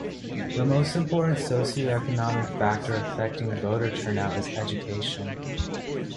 The most important socioeconomic factor affecting voter turnout is education.